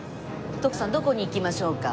徳さんどこに行きましょうか？